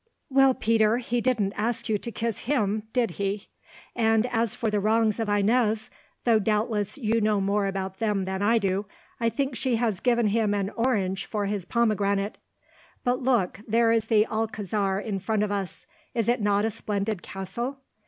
"Well, Peter, he didn't ask you to kiss him, did he? And as for the wrongs of Inez, though doubtless you know more about them than I do, I think she has given him an orange for his pomegranate. But look, there is the Alcazar in front of us. Is it not a splendid castle?